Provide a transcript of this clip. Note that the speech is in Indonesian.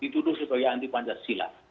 tuduh sebagai anti pancasila